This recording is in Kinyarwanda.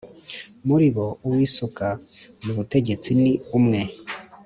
Muri bo uwisuka mu butegetsi ni umwee